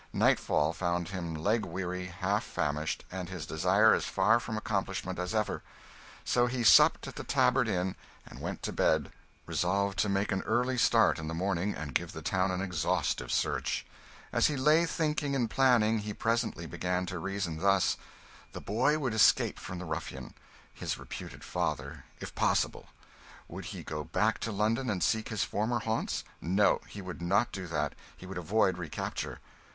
Nightfall found him leg weary, half famished, and his desire as far from accomplishment as ever; so he supped at the Tabard Inn and went to bed, resolved to make an early start in the morning, and give the town an exhaustive search. As he lay thinking and planning, he presently began to reason thus: The boy would escape from the ruffian, his reputed father, if possible; would he go back to London and seek his former haunts? No, he would not do that, he would avoid recapture.